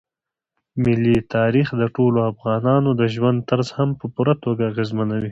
ملي تاریخ د ټولو افغانانو د ژوند طرز هم په پوره توګه اغېزمنوي.